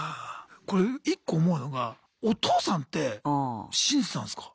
これ１個思うのがお父さんって信じてたんすか？